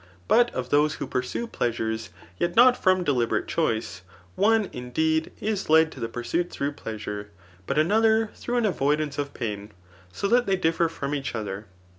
But of those who pursue pleasures, yet not from deliberate choice, one, indeed, is led to the pursuit through pleasure ; but another through an avoid ' ance of pain ; so that they differ from each other.